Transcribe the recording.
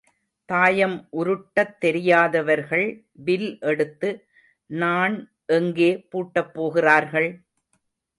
தாயம் உருட்டத் தெரியாதவர்கள் வில் எடுத்து நாண் எங்கே பூட்டப் போகிறார்கள்?